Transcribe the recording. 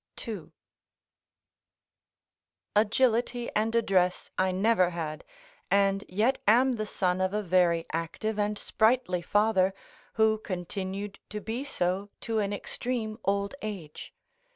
2.] Agility and address I never had, and yet am the son of a very active and sprightly father, who continued to be so to an extreme old age.